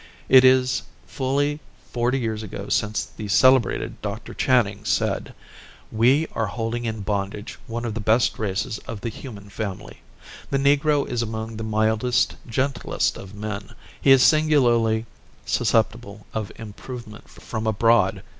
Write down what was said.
It is fully forty years ago since the celebrated Dr. Channing said: "We are holding in bondage one of the best races of the human family. The Negro is among the mildest, gentlest of men. He is singularly susceptible of improvement from abroad....